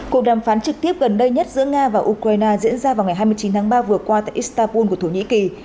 cuộc đàm phán trực tiếp gần đây nhất giữa nga và ukraine diễn ra vào ngày hai mươi chín tháng ba vừa qua tại istanbul của thổ nhĩ kỳ